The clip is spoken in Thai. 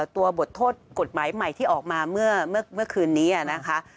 บทโทษกฎหมายใหม่ที่ออกมาเมื่อคืนนี้นะคะ